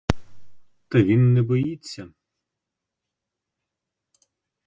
Та він не боїться.